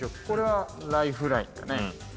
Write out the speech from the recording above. これはライフラインだね。